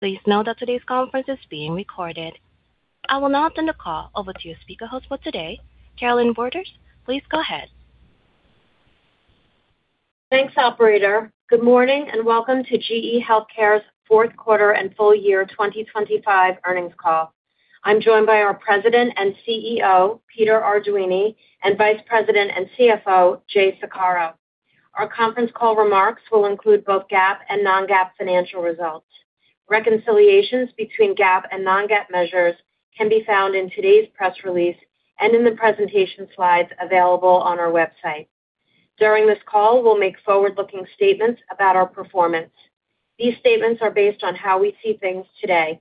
Please know that today's conference is being recorded. I will now turn the call over to your speaker host for today, Carolynne Borders. Please go ahead. Thanks, operator. Good morning, and welcome to GE HealthCare's fourth quarter and full year 2025 earnings call. I'm joined by our President and CEO, Peter Arduini, and Vice President and CFO, Jay Saccaro. Our conference call remarks will include both GAAP and non-GAAP financial results. Reconciliations between GAAP and non-GAAP measures can be found in today's press release and in the presentation slides available on our website. During this call, we'll make forward-looking statements about our performance. These statements are based on how we see things today.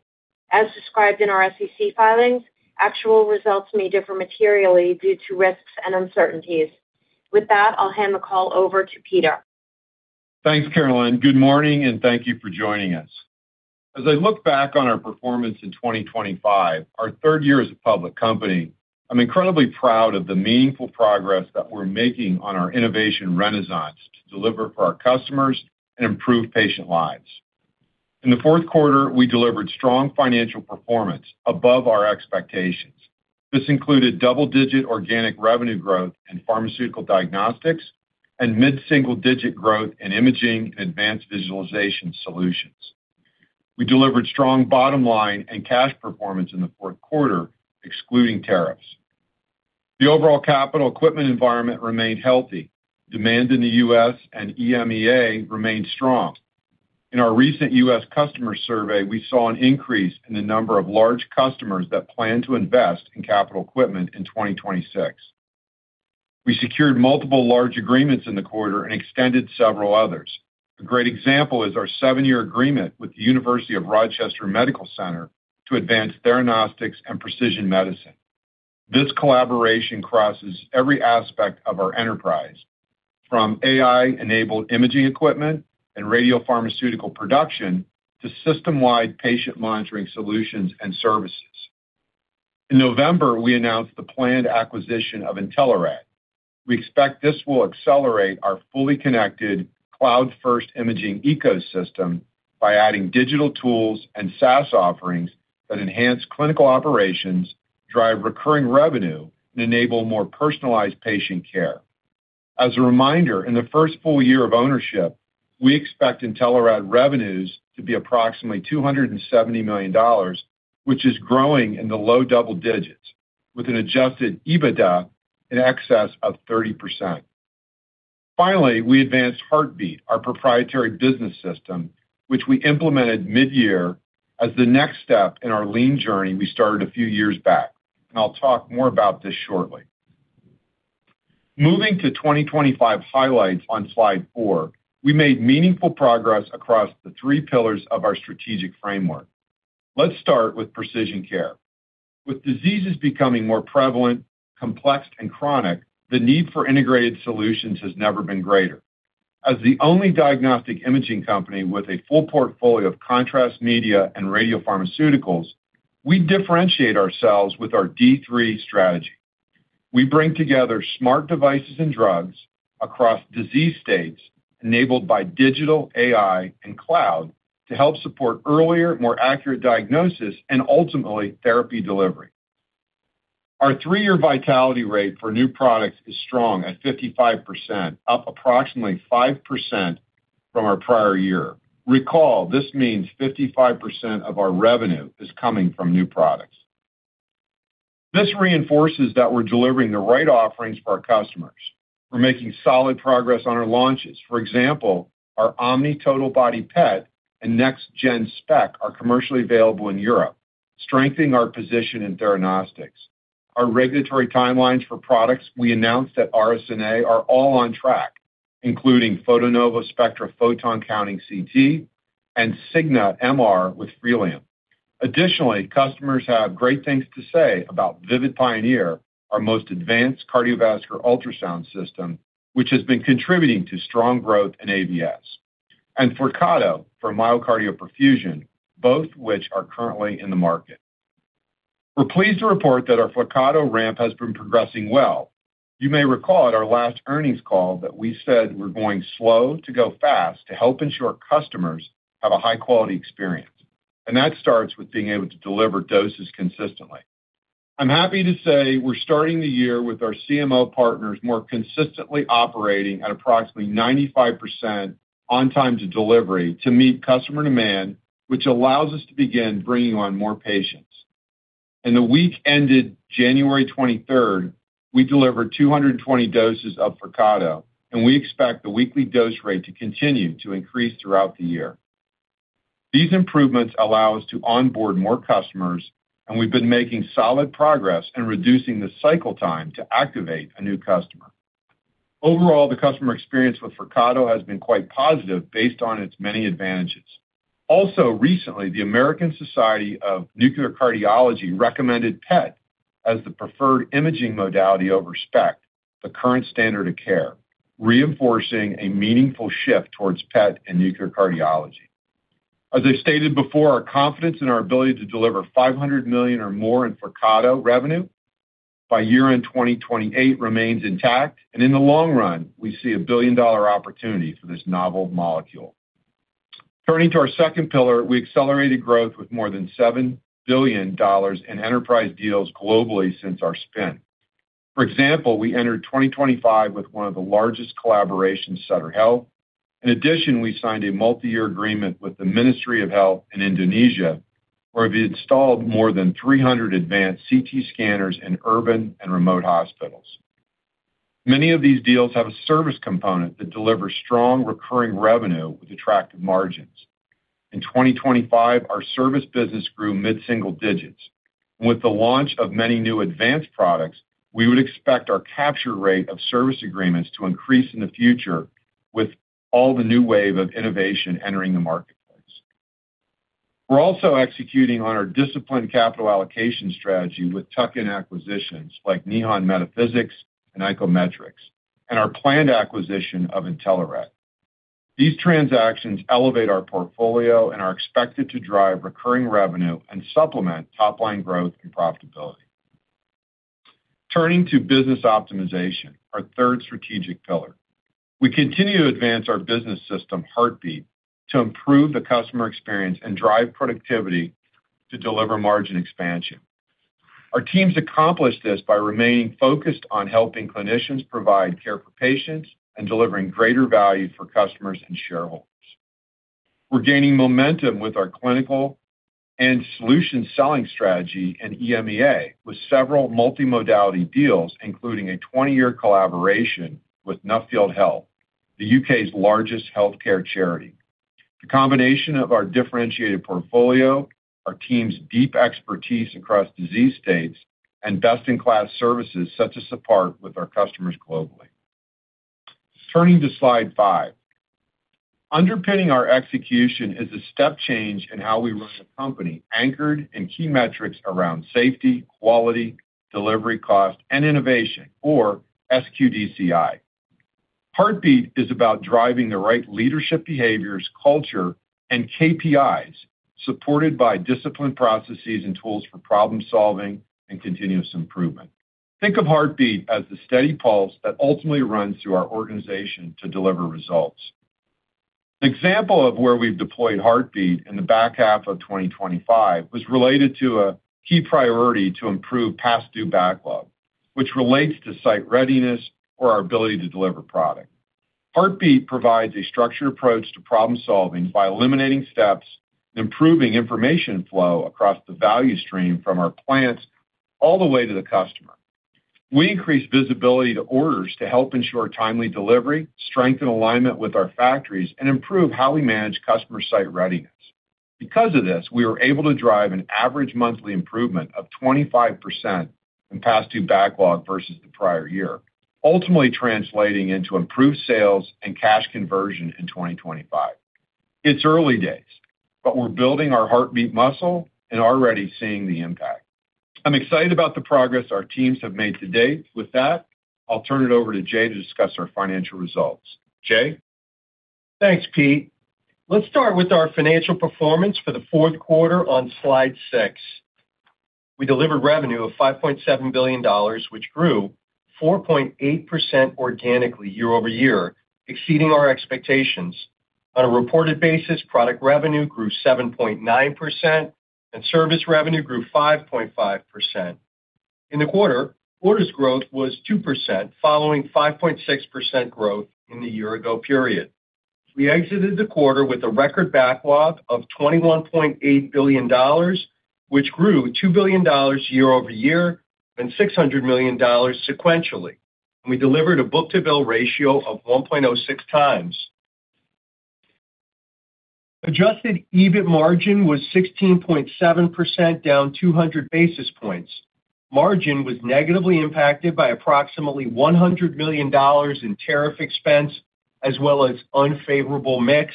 As described in our SEC filings, actual results may differ materially due to risks and uncertainties. With that, I'll hand the call over to Peter. Thanks, Carolynne. Good morning, and thank you for joining us. As I look back on our performance in 2025, our third year as a public company, I'm incredibly proud of the meaningful progress that we're making on our innovation renaissance to deliver for our customers and improve patient lives. In the fourth quarter, we delivered strong financial performance above our expectations. This included double-digit organic revenue growth in Pharmaceutical Diagnostics and mid-single-digit growth in Imaging and Advanced Visualization Solutions. We delivered strong bottom line and cash performance in the fourth quarter, excluding tariffs. The overall capital equipment environment remained healthy. Demand in the U.S. and EMEA remained strong. In our recent U.S. customer survey, we saw an increase in the number of large customers that plan to invest in capital equipment in 2026. We secured multiple large agreements in the quarter and extended several others. A great example is our seven-year agreement with the University of Rochester Medical Center to advance theranostics and precision medicine. This collaboration crosses every aspect of our enterprise, from AI-enabled imaging equipment and radiopharmaceutical production to system-wide patient monitoring solutions and services. In November, we announced the planned acquisition of Intelerad. We expect this will accelerate our fully connected, cloud-first imaging ecosystem by adding digital tools and SaaS offerings that enhance clinical operations, drive recurring revenue, and enable more personalized patient care. As a reminder, in the first full year of ownership, we expect Intelerad revenues to be approximately $270 million, which is growing in the low double digits, with an adjusted EBITDA in excess of 30%. Finally, we advanced Heartbeat, our proprietary business system, which we implemented mid-year as the next step in our lean journey we started a few years back, and I'll talk more about this shortly. Moving to 2025 highlights on slide four, we made meaningful progress across the three pillars of our strategic framework. Let's start with precision care. With diseases becoming more prevalent, complex and chronic, the need for integrated solutions has never been greater. As the only diagnostic imaging company with a full portfolio of contrast media and radiopharmaceuticals, we differentiate ourselves with our D3 Strategy. We bring together smart devices and drugs across disease states enabled by digital, AI, and cloud to help support earlier, more accurate diagnosis and ultimately, therapy delivery. Our three-year vitality rate for new products is strong at 55%, up approximately 5% from our prior year. Recall, this means 55% of our revenue is coming from new products. This reinforces that we're delivering the right offerings for our customers. We're making solid progress on our launches. For example, our Omni total body PET and next-gen SPECT are commercially available in Europe, strengthening our position in theranostics. Our regulatory timelines for products we announced at RSNA are all on track, including Photonova Spectra photon-counting CT, and SIGNA MR with Freelium. Additionally, customers have great things to say about Vivid Pioneer, our most advanced cardiovascular ultrasound system, which has been contributing to strong growth in AVS, and Flyrcado for myocardial perfusion, both which are currently in the market. We're pleased to report that our Flyrcado ramp has been progressing well. You may recall at our last earnings call that we said we're going slow to go fast to help ensure customers have a high-quality experience, and that starts with being able to deliver doses consistently. I'm happy to say we're starting the year with our CMO partners more consistently operating at approximately 95% on time to delivery to meet customer demand, which allows us to begin bringing on more patients. In the week ended January 23rd, we delivered 220 doses of Flyrcado, and we expect the weekly dose rate to continue to increase throughout the year. These improvements allow us to onboard more customers, and we've been making solid progress in reducing the cycle time to activate a new customer. Overall, the customer experience with Flyrcado has been quite positive based on its many advantages. Also, recently, the American Society of Nuclear Cardiology recommended PET as the preferred imaging modality over SPECT, the current standard of care, reinforcing a meaningful shift towards PET and nuclear cardiology. As I stated before, our confidence in our ability to deliver $500 million or more in Flyrcado revenue by year-end 2028 remains intact, and in the long run, we see a billion-dollar opportunity for this novel molecule. Turning to our second pillar, we accelerated growth with more than $7 billion in enterprise deals globally since our spin. For example, we entered 2025 with one of the largest collaborations, Sutter Health. In addition, we signed a multi-year agreement with the Ministry of Health in Indonesia, where we've installed more than 300 advanced CT scanners in urban and remote hospitals. Many of these deals have a service component that delivers strong, recurring revenue with attractive margins. In 2025, our service business grew mid-single digits. With the launch of many new advanced products, we would expect our capture rate of service agreements to increase in the future with all the new wave of innovation entering the marketplace. We're also executing on our disciplined capital allocation strategy with tuck-in acquisitions like Nihon Medi-Physics and icometrix, and our planned acquisition of Intelerad. These transactions elevate our portfolio and are expected to drive recurring revenue and supplement top-line growth and profitability. Turning to business optimization, our third strategic pillar. We continue to advance our business system, Heartbeat, to improve the customer experience and drive productivity to deliver margin expansion. Our teams accomplished this by remaining focused on helping clinicians provide care for patients and delivering greater value for customers and shareholders. We're gaining momentum with our clinical and solution selling strategy in EMEA, with several multimodality deals, including a 20-year collaboration with Nuffield Health, the U.K.'s largest healthcare charity. The combination of our differentiated portfolio, our team's deep expertise a.cross disease states, and best-in-class services set us apart with our customers globally. Turning to slide five. Underpinning our execution is a step change in how we run the company, anchored in key metrics around safety, quality, delivery, cost, and innovation, or SQDCI. Heartbeat is about driving the right leadership behaviors, culture, and KPIs, supported by disciplined processes and tools for problem-solving and continuous improvement. Think of Heartbeat as the steady pulse that ultimately runs through our organization to deliver results. An example of where we've deployed Heartbeat in the back half of 2025 was related to a key priority to improve past due backlog, which relates to site readiness or our ability to deliver product. Heartbeat provides a structured approach to problem-solving by eliminating steps, improving information flow across the value stream from our plants all the way to the customer. We increase visibility to orders to help ensure timely delivery, strengthen alignment with our factories, and improve how we manage customer site readiness. Because of this, we were able to drive an average monthly improvement of 25% in past due backlog versus the prior year, ultimately translating into improved sales and cash conversion in 2025. It's early days, but we're building our Heartbeat muscle and already seeing the impact. I'm excited about the progress our teams have made to date. With that, I'll turn it over to Jay to discuss our financial results. Jay? Thanks, Pete. Let's start with our financial performance for the fourth quarter on slide six. We delivered revenue of $5.7 billion, which grew 4.8% organically year-over-year, exceeding our expectations. On a reported basis, product revenue grew 7.9%, and service revenue grew 5.5%. In the quarter, orders growth was 2%, following 5.6% growth in the year-ago period. We exited the quarter with a record backlog of $21.8 billion, which grew $2 billion year-over-year and $600 million sequentially. We delivered a book-to-bill ratio of 1.06x. Adjusted EBIT margin was 16.7%, down 200 basis points. Margin was negatively impacted by approximately $100 million in tariff expense as well as unfavorable mix.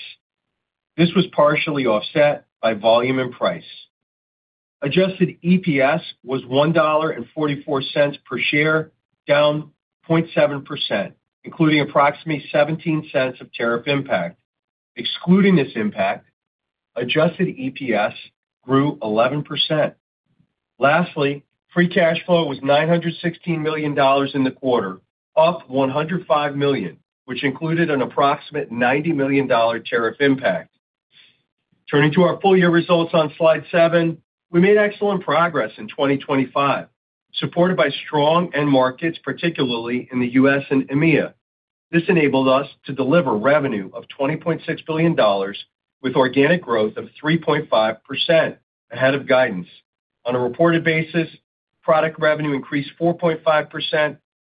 This was partially offset by volume and price. Adjusted EPS was $1.44 per share, down 0.7%, including approximately $0.17 of tariff impact. Excluding this impact, adjusted EPS grew 11%. Lastly, free cash flow was $916 million in the quarter, up $105 million, which included an approximate $90 million tariff impact. Turning to our full year results on slide seven, we made excellent progress in 2025, supported by strong end markets, particularly in the U.S. and EMEA. This enabled us to deliver revenue of $20.6 billion, with organic growth of 3.5%, ahead of guidance. On a reported basis, product revenue increased 4.5%,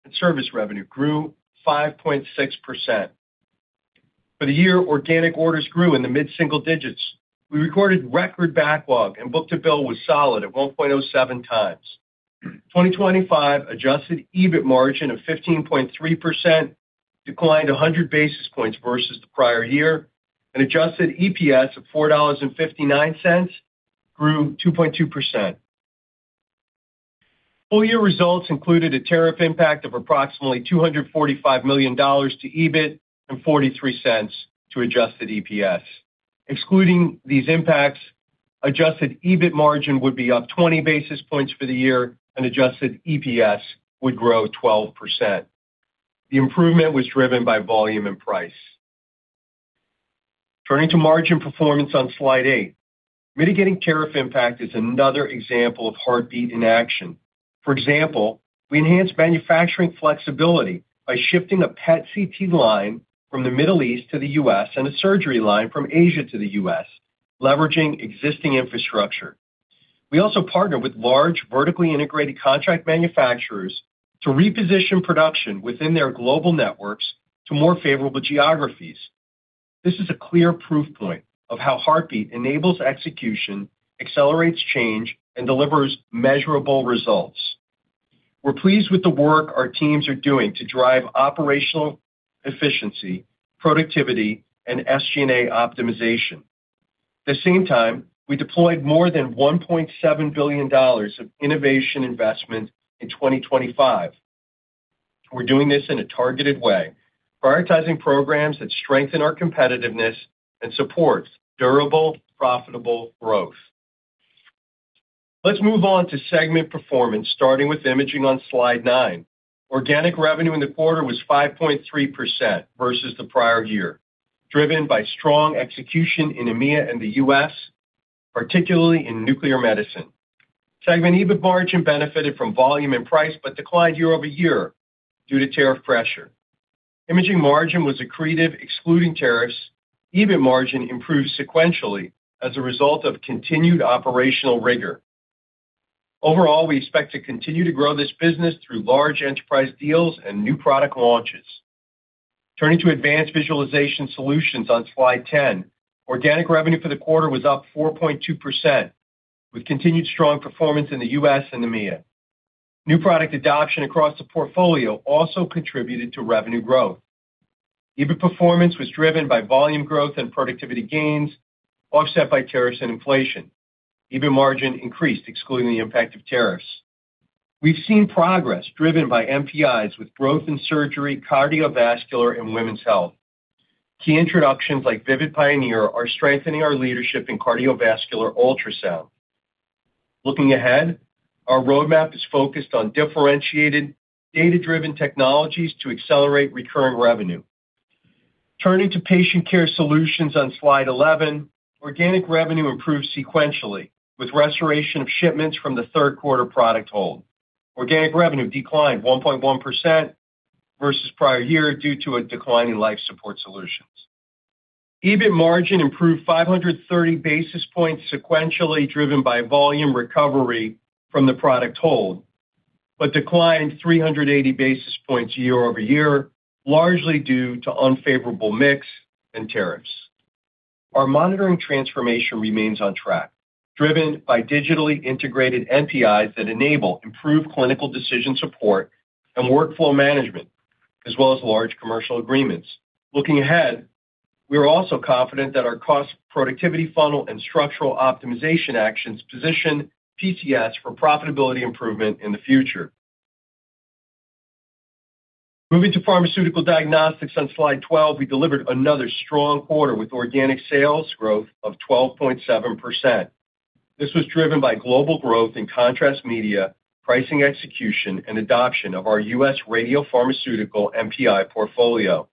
and service revenue grew 5.6%. For the year, organic orders grew in the mid-single digits. We recorded record backlog and book-to-bill was solid at 1.07x. 2025 adjusted EBIT margin of 15.3%, declined 100 basis points versus the prior year, and adjusted EPS of $4.59 grew 2.2%. Full year results included a tariff impact of approximately $245 million to EBIT and $0.43 to adjusted EPS. Excluding these impacts, adjusted EBIT margin would be up 20 basis points for the year, and adjusted EPS would grow 12%. The improvement was driven by volume and price. Turning to margin performance on slide eight, mitigating tariff impact is another example of Heartbeat in action. For example, we enhanced manufacturing flexibility by shifting a PET CT line from the Middle East to the U.S. and a surgery line from Asia to the U.S., leveraging existing infrastructure. We also partnered with large, vertically integrated contract manufacturers to reposition production within their global networks to more favorable geographies. This is a clear proof point of how Heartbeat enables execution, accelerates change, and delivers measurable results. We're pleased with the work our teams are doing to drive operational efficiency, productivity, and SG&A optimization. At the same time, we deployed more than $1.7 billion of innovation investment in 2025. We're doing this in a targeted way, prioritizing programs that strengthen our competitiveness and supports durable, profitable growth. Let's move on to segment performance, starting with Imaging on slide nine. Organic revenue in the quarter was 5.3% versus the prior year, driven by strong execution in EMEA and the U.S., particularly in nuclear medicine. Segment EBIT margin benefited from volume and price, but declined year-over-year due to tariff pressure. Imaging margin was accretive, excluding tariffs. EBIT margin improved sequentially as a result of continued operational rigor. Overall, we expect to continue to grow this business through large enterprise deals and new product launches. Turning to Advanced Visualization Solutions on Slide 10, organic revenue for the quarter was up 4.2%, with continued strong performance in the U.S. and EMEA. New product adoption across the portfolio also contributed to revenue growth. EBIT performance was driven by volume growth and productivity gains, offset by tariffs and inflation. EBIT margin increased, excluding the impact of tariffs. We've seen progress driven by NPIs with growth in surgery, cardiovascular, and women's health. Key introductions like Vivid Pioneer are strengthening our leadership in cardiovascular ultrasound. Looking ahead, our roadmap is focused on differentiated, data-driven technologies to accelerate recurring revenue. Turning to Patient Care Solutions on Slide 11, organic revenue improved sequentially, with restoration of shipments from the third quarter product hold. Organic revenue declined 1.1% versus prior year due to a decline in life support solutions. EBIT margin improved 530 basis points sequentially, driven by volume recovery from the product hold, but declined 380 basis points year-over-year, largely due to unfavorable mix and tariffs. Our monitoring transformation remains on track, driven by digitally integrated NPIs that enable improved clinical decision support and workflow management, as well as large commercial agreements. Looking ahead, we are also confident that our cost productivity funnel and structural optimization actions position PCS for profitability improvement in the future. Moving to Pharmaceutical Diagnostics on Slide 12, we delivered another strong quarter with organic sales growth of 12.7%. This was driven by global growth in contrast media, pricing execution, and adoption of our U.S. radiopharmaceutical NPI portfolio.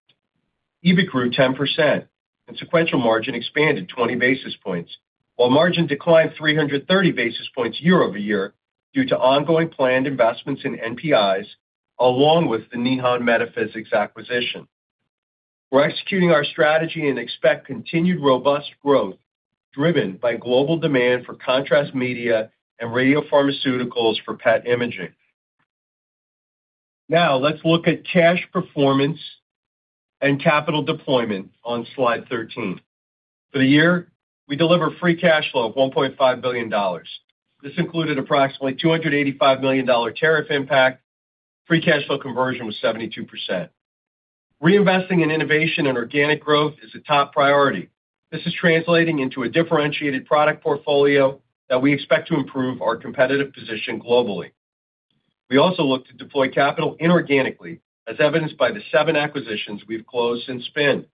EBIT grew 10%, and sequential margin expanded 20 basis points, while margin declined 330 basis points year-over-year due to ongoing planned investments in NPIs, along with the Nihon Medi-Physics acquisition. We're executing our strategy and expect continued robust growth driven by global demand for contrast media and radiopharmaceuticals for PET Imaging. Now, let's look at cash performance and capital deployment on Slide 13. For the year, we delivered free cash flow of $1.5 billion. This included approximately $285 million tariff impact. Free cash flow conversion was 72%. Reinvesting in innovation and organic growth is a top priority. This is translating into a differentiated product portfolio that we expect to improve our competitive position globally. We also look to deploy capital inorganically, as evidenced by the seven acquisitions we've closed since spin.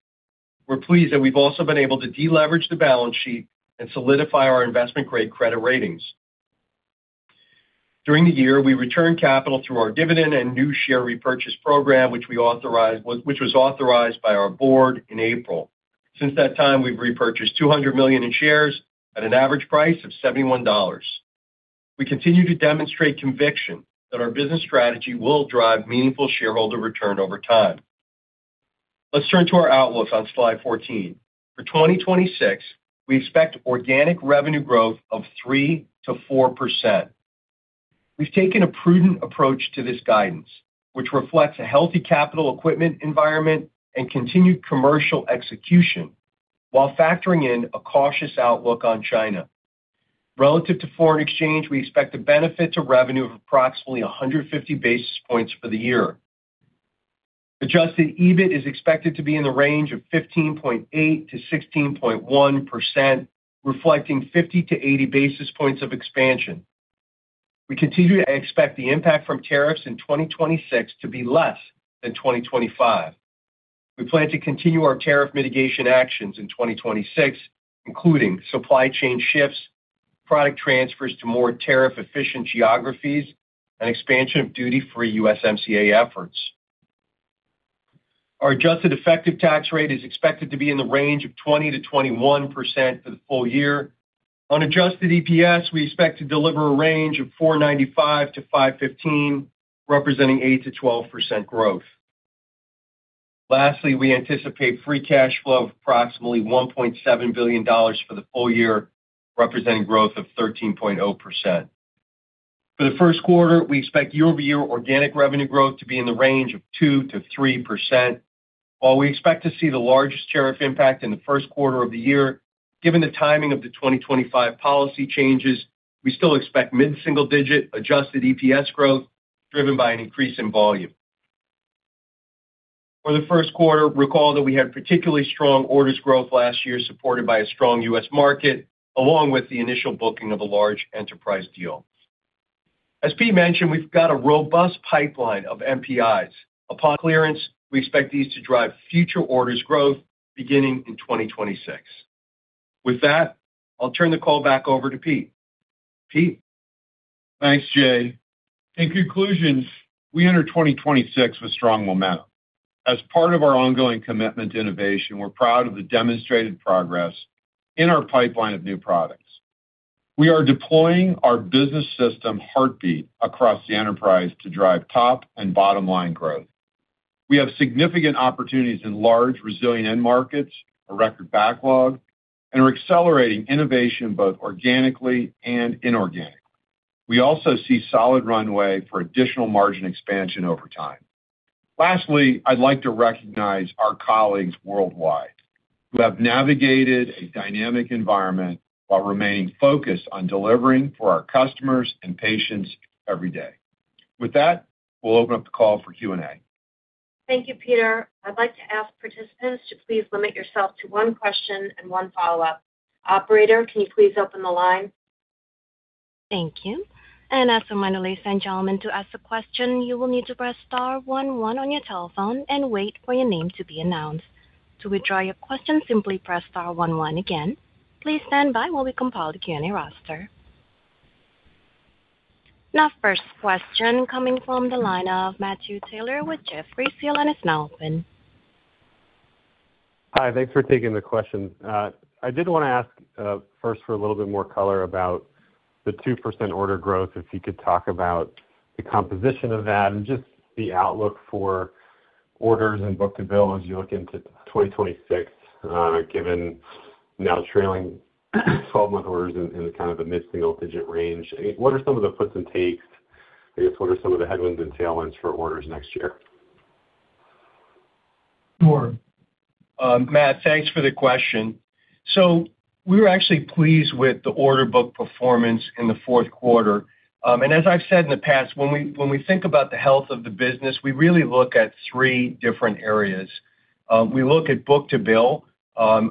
We're pleased that we've also been able to deleverage the balance sheet and solidify our investment-grade credit ratings. During the year, we returned capital through our dividend and new share repurchase program, which was authorized by our board in April. Since that time, we've repurchased $200 million in shares at an average price of $71. We continue to demonstrate conviction that our business strategy will drive meaningful shareholder return over time. Let's turn to our outlook on Slide 14. For 2026, we expect organic revenue growth of 3%-4%. We've taken a prudent approach to this guidance, which reflects a healthy capital equipment environment and continued commercial execution while factoring in a cautious outlook on China. Relative to foreign exchange, we expect a benefit to revenue of approximately 150 basis points for the year. Adjusted EBIT is expected to be in the range of 15.8%-16.1%, reflecting 50 basis points-80 basis points of expansion... We continue to expect the impact from tariffs in 2026 to be less than 2025. We plan to continue our tariff mitigation actions in 2026, including supply chain shifts, product transfers to more tariff-efficient geographies, and expansion of duty-free USMCA efforts. Our adjusted effective tax rate is expected to be in the range of 20%-21% for the full year. On adjusted EPS, we expect to deliver a range of $4.95-$5.15, representing 8%-12% growth. Lastly, we anticipate free cash flow of approximately $1.7 billion for the full year, representing growth of 13.0%. For the first quarter, we expect year-over-year organic revenue growth to be in the range of 2%-3%. While we expect to see the largest tariff impact in the first quarter of the year, given the timing of the 2025 policy changes, we still expect mid-single digit adjusted EPS growth, driven by an increase in volume. For the first quarter, recall that we had particularly strong orders growth last year, supported by a strong U.S. market, along with the initial booking of a large enterprise deal. As Pete mentioned, we've got a robust pipeline of NPIs. Upon clearance, we expect these to drive future orders growth beginning in 2026. With that, I'll turn the call back over to Pete. Pete? Thanks, Jay. In conclusion, we enter 2026 with strong momentum. As part of our ongoing commitment to innovation, we're proud of the demonstrated progress in our pipeline of new products. We are deploying our business system, Heartbeat, across the enterprise to drive top and bottom line growth. We have significant opportunities in large, resilient end markets, a record backlog, and are accelerating innovation, both organically and inorganically. We also see solid runway for additional margin expansion over time. Lastly, I'd like to recognize our colleagues worldwide, who have navigated a dynamic environment while remaining focused on delivering for our customers and patients every day. With that, we'll open up the call for Q&A. Thank you, Peter. I'd like to ask participants to please limit yourself to one question and one follow-up. Operator, can you please open the line? Thank you. And as a reminder, ladies and gentlemen, to ask a question, you will need to press star one one on your telephone and wait for your name to be announced. To withdraw your question, simply press star one one again. Please stand by while we compile the Q&A roster. Now, first question coming from the line of Matthew Taylor with Jefferies. Your line is now open. Hi, thanks for taking the question. I did want to ask, first for a little bit more color about the 2% order growth, if you could talk about the composition of that and just the outlook for orders and book-to-bill as you look into 2026, given now trailing twelve-month orders in kind of the mid-single digit range. What are some of the puts and takes? I guess, what are some of the headwinds and tailwinds for orders next year? Sure. Matt, thanks for the question. So we were actually pleased with the order book performance in the fourth quarter. As I've said in the past, when we, when we think about the health of the business, we really look at three different areas. We look at book-to-bill,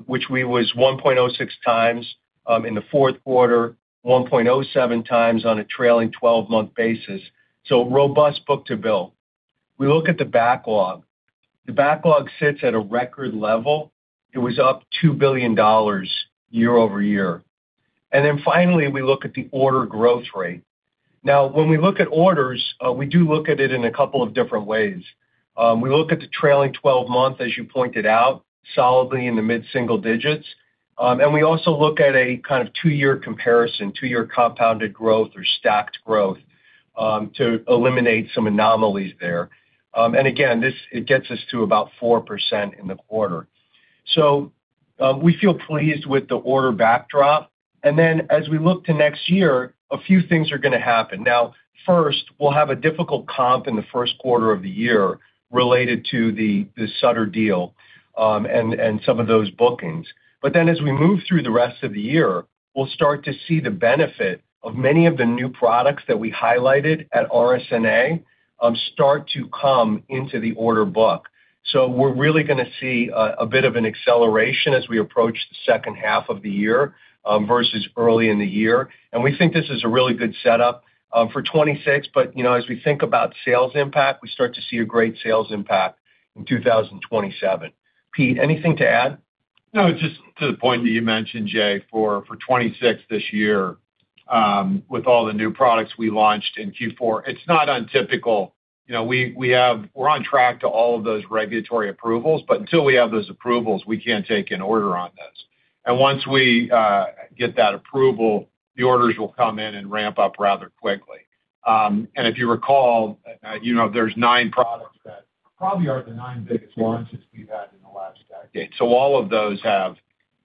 which we was 1.06x, in the fourth quarter, 1.07x on a trailing twelve-month basis, so robust book-to-bill. We look at the backlog. The backlog sits at a record level. It was up $2 billion year-over-year. Then finally, we look at the order growth rate. Now, when we look at orders, we do look at it in a couple of different ways. We look at the trailing twelve-month, as you pointed out, solidly in the mid-single digits. And we also look at a kind of two-year comparison, two-year compounded growth or stacked growth, to eliminate some anomalies there. And again, this it gets us to about 4% in the quarter. So, we feel pleased with the order backdrop. And then as we look to next year, a few things are going to happen. Now, first, we'll have a difficult comp in the first quarter of the year related to the Sutter deal and some of those bookings. But then as we move through the rest of the year, we'll start to see the benefit of many of the new products that we highlighted at RSNA start to come into the order book. So we're really going to see a bit of an acceleration as we approach the second half of the year versus early in the year. And we think this is a really good setup for 2026. But, you know, as we think about sales impact, we start to see a great sales impact in 2027. Pete, anything to add? No, just to the point that you mentioned, Jay, for 2026 this year, with all the new products we launched in Q4, it's not untypical. You know, we have-- we're on track to all of those regulatory approvals, but until we have those approvals, we can't take an order on this. And once we get that approval, the orders will come in and ramp up rather quickly. If you recall, you know, there's nine products that probably are the nine biggest launches we've had in the last decade. So all of those have,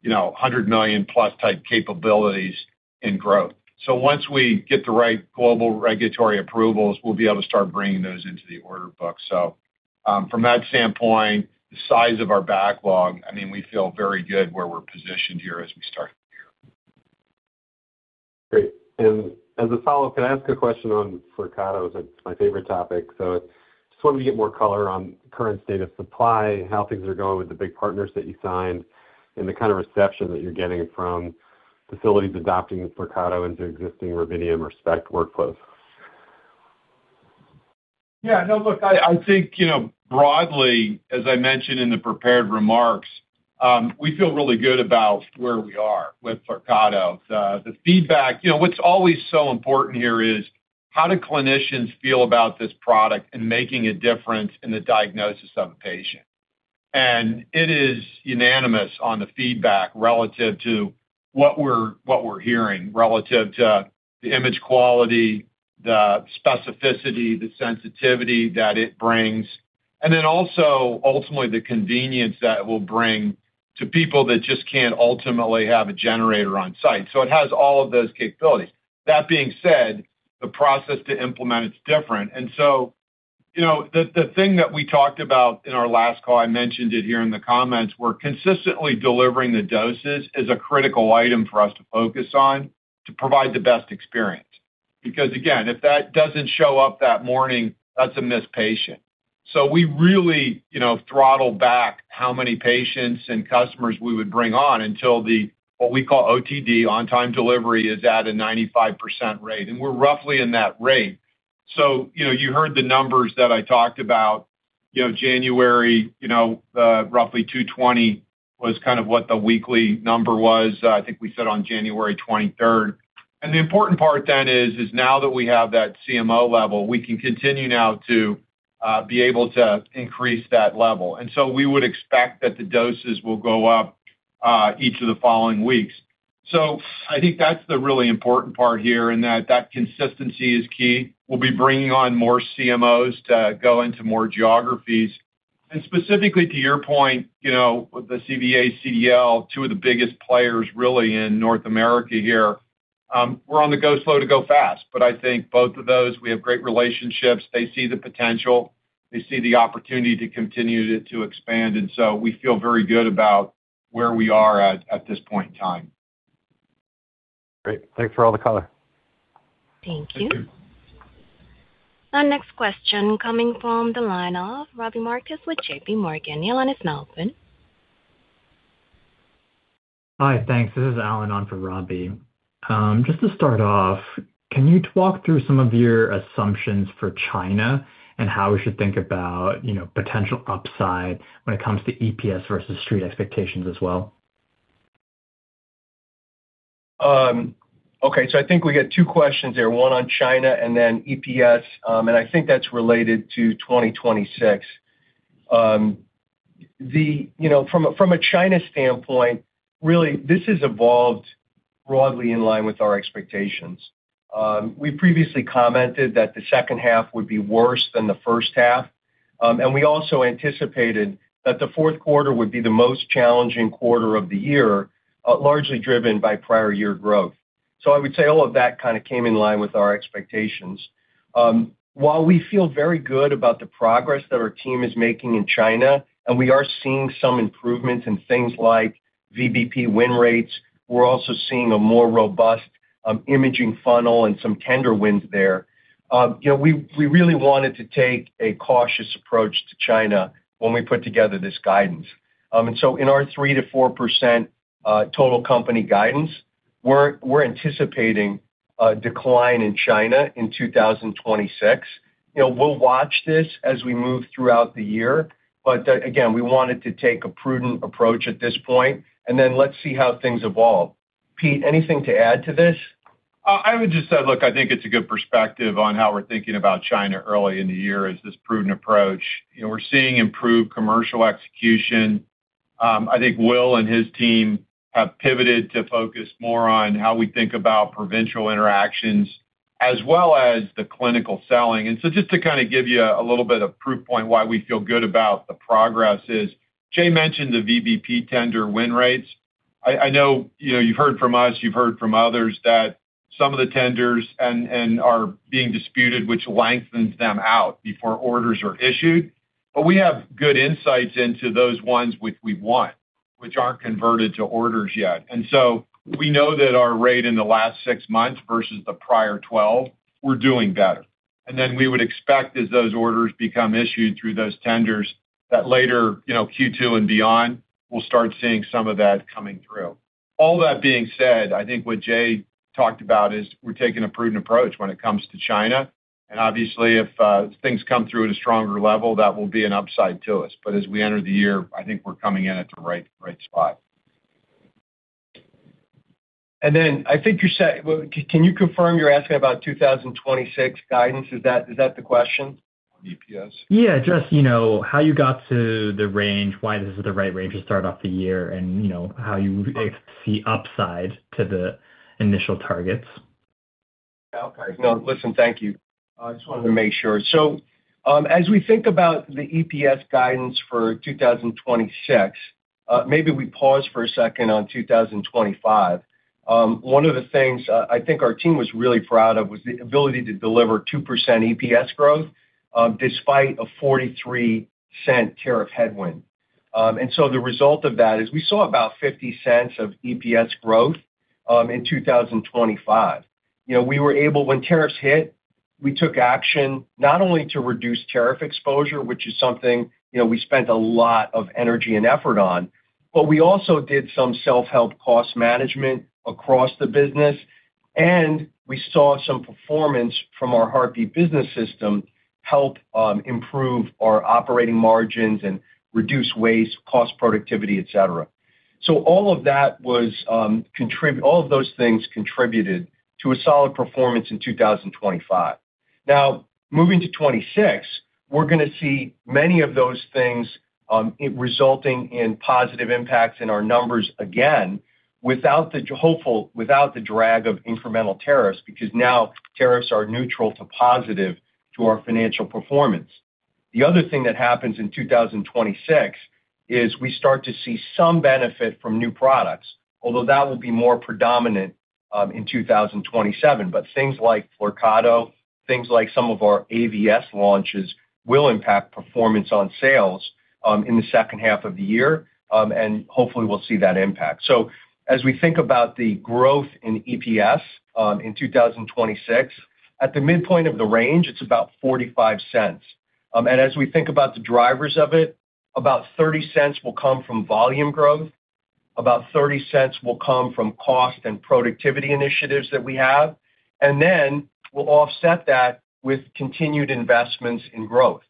you know, 100 million-plus type capabilities in growth. So once we get the right global regulatory approvals, we'll be able to start bringing those into the order book. So, from that standpoint, the size of our backlog, I mean, we feel very good where we're positioned here as we start the year. Great. And as a follow-up, can I ask a question on Flyrcado? It's my favorite topic. Just wanted to get more color on current state of supply, how things are going with the big partners that you signed, and the kind of reception that you're getting from facilities adopting Flyrcado into existing rubidium SPECT workflows. Yeah, no, look, I, I think, you know, broadly, as I mentioned in the prepared remarks, we feel really good about where we are with Flyrcado. The, the feedback— You know, what's always so important here is, how do clinicians feel about this product in making a difference in the diagnosis of a patient? And it is unanimous on the feedback relative to what we're, what we're hearing, relative to the image quality, the specificity, the sensitivity that it brings, and then also ultimately the convenience that it will bring to people that just can't ultimately have a generator on site. So it has all of those capabilities. That being said, the process to implement it is different. And so, you know, the thing that we talked about in our last call, I mentioned it here in the comments, we're consistently delivering the doses, is a critical item for us to focus on, to provide the best experience. Because, again, if that doesn't show up that morning, that's a missed patient. So we really, you know, throttled back how many patients and customers we would bring on until the, what we call OTD, on-time delivery, is at a 95% rate, and we're roughly in that rate. So, you know, you heard the numbers that I talked about. You know, January, you know, roughly 220 was kind of what the weekly number was, I think we said on January 23. The important part then is now that we have that CMO level, we can continue now to be able to increase that level. And so we would expect that the doses will go up each of the following weeks. So I think that's the really important part here, and that that consistency is key. We'll be bringing on more CMOs to go into more geographies. And specifically, to your point, you know, with the CVA, CDL, two of the biggest players really in North America here, we're on the go slow to go fast. But I think both of those, we have great relationships. They see the potential, they see the opportunity to continue to expand, and so we feel very good about where we are at this point in time. Great. Thanks for all the color. Thank you. Thank you. Our next question coming from the line of Robbie Marcus with JPMorgan. Your line is now open. Hi, thanks. This is Allen on for Robbie. Just to start off, can you talk through some of your assumptions for China and how we should think about, you know, potential upside when it comes to EPS versus street expectations as well? Okay, so I think we got two questions there, one on China and then EPS, and I think that's related to 2026. You know, from a, from a China standpoint, really, this has evolved broadly in line with our expectations. We previously commented that the second half would be worse than the first half, and we also anticipated that the fourth quarter would be the most challenging quarter of the year, largely driven by prior year growth. So I would say all of that kind of came in line with our expectations. While we feel very good about the progress that our team is making in China, and we are seeing some improvements in things like VBP win rates, we're also seeing a more robust, Imaging funnel and some tender wins there. You know, we really wanted to take a cautious approach to China when we put together this guidance. So in our 3%-4% total company guidance, we're anticipating a decline in China in 2026. You know, we'll watch this as we move throughout the year, but again, we wanted to take a prudent approach at this point, and then let's see how things evolve. Pete, anything to add to this? I would just say, look, I think it's a good perspective on how we're thinking about China early in the year as this prudent approach. You know, we're seeing improved commercial execution. I think Will and his team have pivoted to focus more on how we think about provincial interactions, as well as the clinical selling. And so just to kind of give you a little bit of proof point why we feel good about the progress is, Jay mentioned the VBP tender win rates. I know, you know, you've heard from us, you've heard from others, that some of the tenders and are being disputed, which lengthens them out before orders are issued. But we have good insights into those ones which we've won, which aren't converted to orders yet. And so we know that our rate in the last 6 months versus the prior 12, we're doing better. And then we would expect, as those orders become issued through those tenders, that later, you know, Q2 and beyond, we'll start seeing some of that coming through. All that being said, I think what Jay talked about is we're taking a prudent approach when it comes to China, and obviously, if things come through at a stronger level, that will be an upside to us. But as we enter the year, I think we're coming in at the right, right spot. And then I think you said. Well, can you confirm you're asking about 2026 guidance? Is that, is that the question on EPS? Yeah, just, you know, how you got to the range, why this is the right range to start off the year and, you know, how you see upside to the initial targets. Okay. No, listen, thank you. I just wanted to make sure. So, as we think about the EPS guidance for 2026, maybe we pause for a second on 2025. One of the things, I think our team was really proud of was the ability to deliver 2% EPS growth, despite a $0.43 tariff headwind. And so the result of that is we saw about $0.50 of EPS growth in 2025. You know, we were able—When tariffs hit, we took action not only to reduce tariff exposure, which is something, you know, we spent a lot of energy and effort on, but we also did some self-help cost management across the business, and we saw some performance from our Heartbeat business system help improve our operating margins and reduce waste, cost, productivity, et cetera. So all of that was—all of those things contributed to a solid performance in 2025. Now, moving to 2026, we're gonna see many of those things, it resulting in positive impacts in our numbers again, without the—hopefully, without the drag of incremental tariffs, because now tariffs are neutral to positive to our financial performance. The other thing that happens in 2026 is we start to see some benefit from new products, although that will be more predominant in 2027. But things like Flyrcado, things like some of our AVS launches, will impact performance on sales in the second half of the year, and hopefully, we'll see that impact. As we think about the growth in EPS in 2026, at the midpoint of the range, it's about $0.45. And as we think about the drivers of it, about $0.30 will come from volume growth, about $0.30 will come from cost and productivity initiatives that we have, and then we'll offset that with continued investments in growth.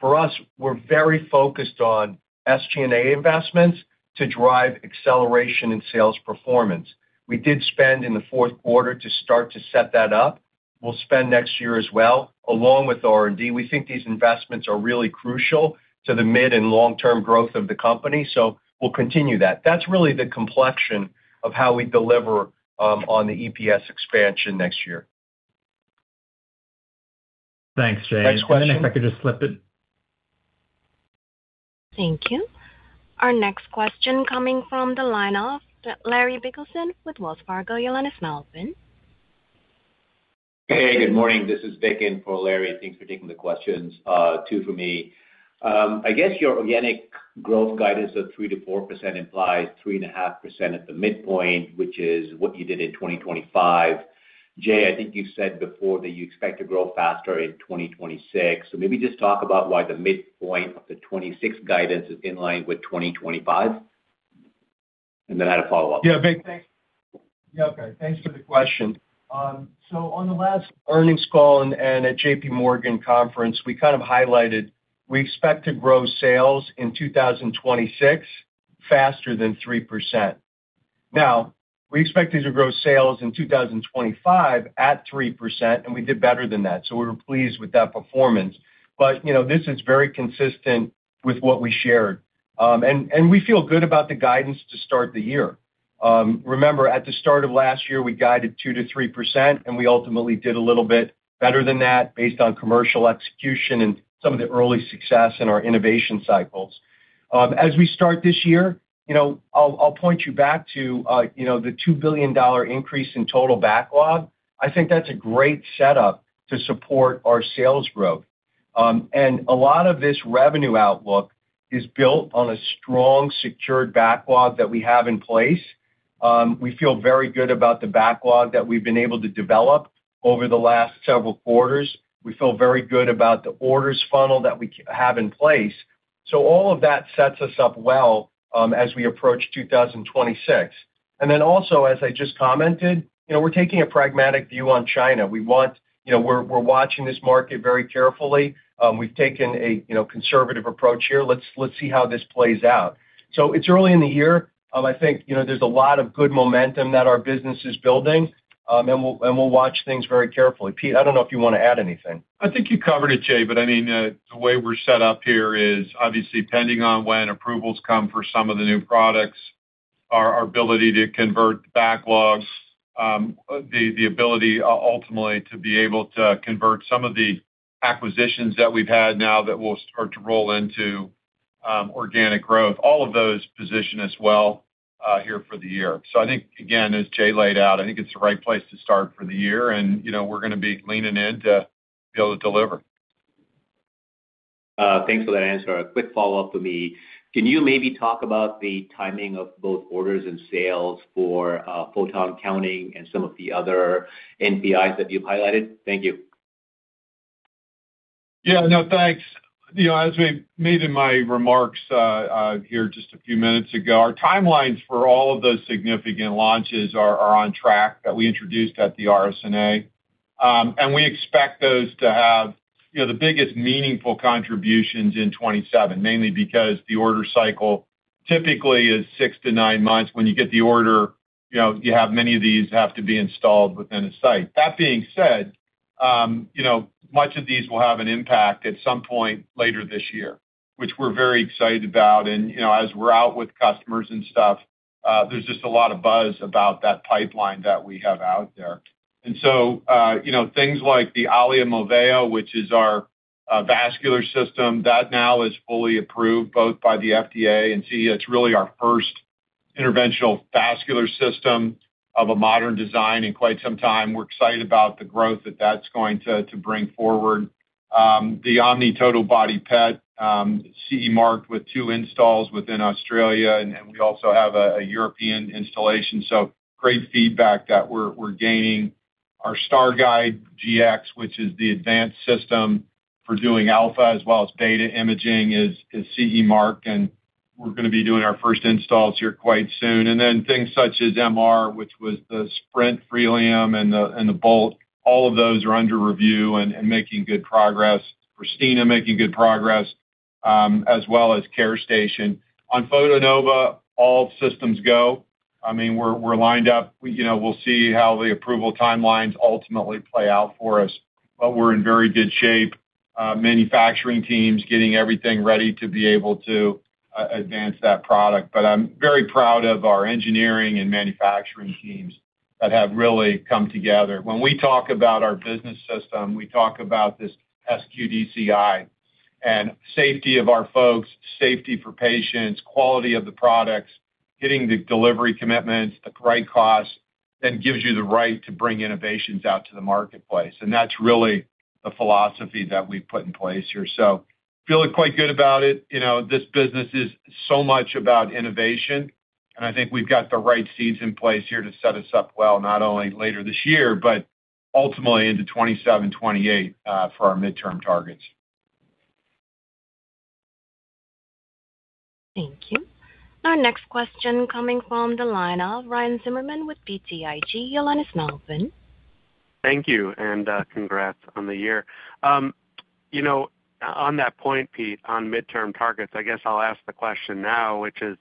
For us, we're very focused on SG&A investments to drive acceleration in sales performance. We did spend in the fourth quarter to start to set that up. We'll spend next year as well, along with R&D. We think these investments are really crucial to the mid and long-term growth of the company, so we'll continue that. That's really the complexion of how we deliver on the EPS expansion next year. Thanks, Jay. Next question- If I could just slip in. Thank you. Our next question coming from the line of Larry Biegelsen with Wells Fargo. Your line is now open. Hey, good morning. This is Vik for Larry. Thanks for taking the questions, two for me. I guess your organic growth guidance of 3%-4% implies 3.5% at the midpoint, which is what you did in 2025. Jay, I think you said before that you expect to grow faster in 2026. So maybe just talk about why the midpoint of the 2026 guidance is in line with 2025, and then I had a follow-up. Yeah, Vik, thanks. Yeah, okay, thanks for the question. So on the last earnings call and at JPMorgan conference, we kind of highlighted, we expect to grow sales in 2026 faster than 3%. Now, we expected to grow sales in 2025 at 3%, and we did better than that, so we were pleased with that performance. But, you know, this is very consistent with what we shared. And we feel good about the guidance to start the year. Remember, at the start of last year, we guided 2%-3%, and we ultimately did a little bit better than that based on commercial execution and some of the early success in our innovation cycles. As we start this year, you know, I'll point you back to, you know, the $2 billion increase in total backlog. I think that's a great setup to support our sales growth. And a lot of this revenue outlook is built on a strong, secured backlog that we have in place. We feel very good about the backlog that we've been able to develop over the last several quarters. We feel very good about the orders funnel that we have in place. So all of that sets us up well, as we approach 2026. And then also, as I just commented, you know, we're taking a pragmatic view on China. We want, you know, we're watching this market very carefully. We've taken a, you know, conservative approach here. Let's see how this plays out. It's early in the year. I think, you know, there's a lot of good momentum that our business is building, and we'll watch things very carefully. Pete, I don't know if you wanna add anything. I think you covered it, Jay, but I mean, the way we're set up here is obviously pending on when approvals come for some of the new products, our ability to convert backlogs, the ability ultimately to be able to convert some of the acquisitions that we've had now that will start to roll into, organic growth, all of those position us well, here for the year. So I think, again, as Jay laid out, I think it's the right place to start for the year, and, you know, we're gonna be leaning in to be able to deliver. Thanks for that answer. A quick follow-up for me. Can you maybe talk about the timing of both orders and sales for, photon counting and some of the other NPIs that you've highlighted? Thank you. Yeah, no, thanks. You know, as we made in my remarks here just a few minutes ago, our timelines for all of those significant launches are on track, that we introduced at the RSNA. And we expect those to have, you know, the biggest meaningful contributions in 2027, mainly because the order cycle typically is six to nine months. When you get the order, you know, you have many of these have to be installed within a site. That being said, you know, much of these will have an impact at some point later this year, which we're very excited about. And, you know, as we're out with customers and stuff, there's just a lot of buzz about that pipeline that we have out there. You know, things like the Allia, which is our vascular system, that now is fully approved both by the FDA and CE. It's really our first interventional vascular system of a modern design in quite some time. We're excited about the growth that that's going to bring forward. The Omni Legend Total Body PET, CE marked with two installs within Australia, and we also have a European installation. Great feedback that we're gaining. Our StarGuide, which is the advanced system for doing alpha as well as beta Imaging, is CE marked, and we're going to be doing our first installs here quite soon. Then things such as MR, which was the SIGNA Sprint with Freelium and the SIGNA Bolt, all of those are under review and making good progress. Pristina making good progress, as well as Carestation. On Photonova, all systems go. I mean, we're lined up. We, you know, we'll see how the approval timelines ultimately play out for us, but we're in very good shape. Manufacturing teams getting everything ready to be able to advance that product. But I'm very proud of our engineering and manufacturing teams that have really come together. When we talk about our business system, we talk about this SQDCI and safety of our folks, safety for patients, quality of the products, getting the delivery commitments, the right cost, then gives you the right to bring innovations out to the marketplace, and that's really the philosophy that we've put in place here. So feeling quite good about it. You know, this business is so much about innovation, and I think we've got the right seeds in place here to set us up well, not only later this year, but ultimately into 2027, 2028, for our midterm targets. Thank you. Our next question coming from the line of Ryan Zimmerman with BTIG. Your line is now open. Thank you, and congrats on the year. You know, on that point, Pete, on midterm targets, I guess I'll ask the question now, which is,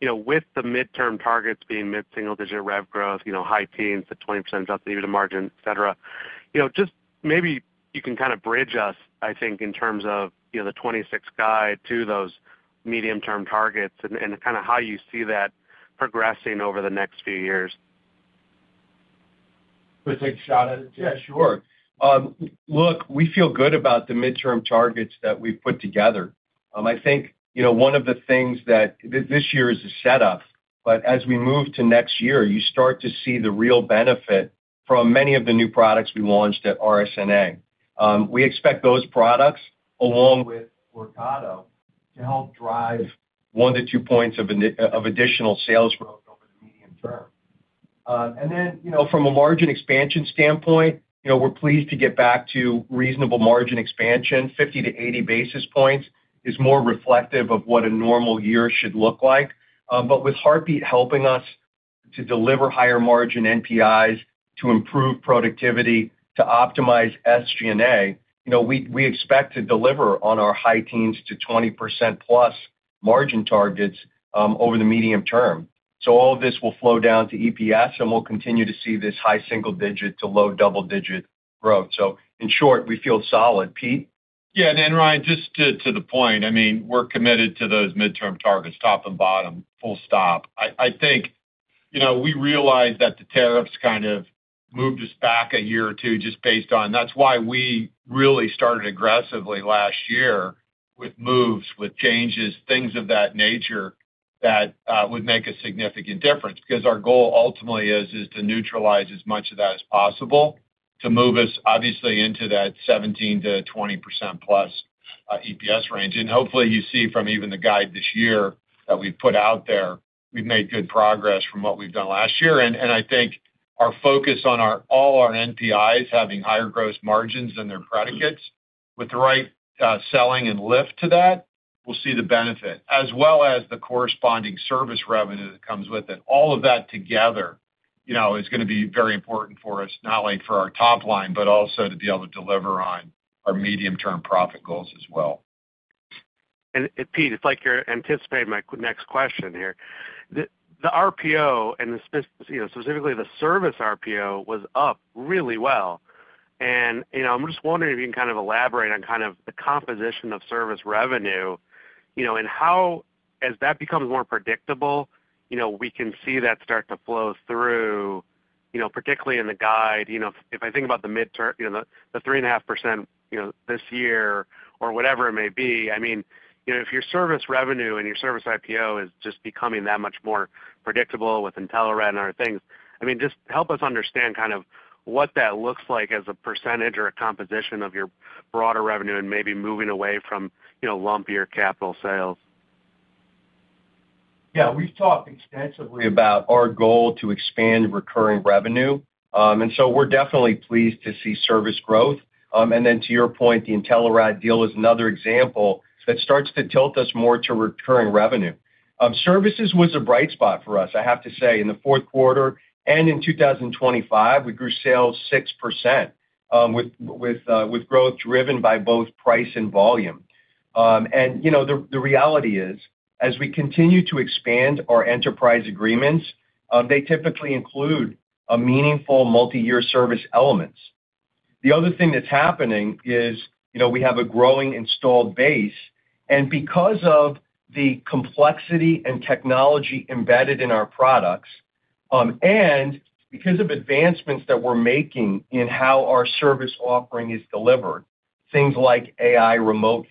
you know, with the midterm targets being mid-single digit rev growth, you know, high teens to 20% EBITDA margin, etc. You know, just maybe you can kind of bridge us, I think, in terms of, you know, the 2026 guide to those medium-term targets and kind of how you see that progressing over the next few years. Want to take a shot at it? Yeah, sure. Look, we feel good about the midterm targets that we've put together. I think, you know, one of the things that this year is a setup, but as we move to next year, you start to see the real benefit from many of the new products we launched at RSNA. We expect those products, along with Flyrcado, to help drive one to two points of additional sales growth over the medium term. And then, you know, from a margin expansion standpoint, you know, we're pleased to get back to reasonable margin expansion. 50 basis points-80 basis points is more reflective of what a normal year should look like. But with Heartbeat helping us to deliver higher margin NPIs, to improve productivity, to optimize SG&A, you know, we, we expect to deliver on our high teens-20% plus margin targets, over the medium term. So all of this will flow down to EPS, and we'll continue to see this high single-digit to low double-digit growth. So in short, we feel solid. Pete? Yeah, and then Ryan, just to, to the point, I mean, we're committed to those midterm targets, top and bottom, full stop. I, I think, you know, we realize that the tariffs kind of moved us back a year or two, just based on... That's why we really started aggressively last year with moves, with changes, things of that nature, that, would make a significant difference. Because our goal ultimately is to neutralize as much of that as possible, to move us, obviously, into that 17%-20%+ EPS range. And hopefully, you see from even the guide this year that we've put out there, we've made good progress from what we've done last year. And I think our focus on our—all our NPIs having higher gross margins than their predicates, with the right selling and lift to that, we'll see the benefit, as well as the corresponding service revenue that comes with it. All of that together, you know, is going to be very important for us, not only for our top line, but also to be able to deliver on our medium-term profit goals as well. Pete, it's like you're anticipating my next question here. The RPO and, you know, specifically the service RPO, was up really well. You know, I'm just wondering if you can kind of elaborate on kind of the composition of service revenue, you know, and how, as that becomes more predictable, you know, we can see that start to flow through, you know, particularly in the guide. You know, if I think about the midterm, you know, the three and a half percent, you know, this year, or whatever it may be, I mean, you know, if your service revenue and your service RPO is just becoming that much more predictable with Intelerad and other things, I mean, just help us understand kind of what that looks like as a percentage or a composition of your broader revenue and maybe moving away from, you know, lumpier capital sales. Yeah, we've talked extensively about our goal to expand recurring revenue, and so we're definitely pleased to see service growth. And then to your point, the Intelerad deal is another example that starts to tilt us more to recurring revenue. Services was a bright spot for us, I have to say, in the fourth quarter, and in 2025, we grew sales 6%, with growth driven by both price and volume. And, you know, the reality is, as we continue to expand our enterprise agreements, they typically include a meaningful multiyear service elements. The other thing that's happening is, you know, we have a growing installed base, and because of the complexity and technology embedded in our products-... and because of advancements that we're making in how our service offering is delivered, things like AI remote